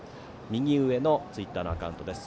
右上のツイッターのアカウントです。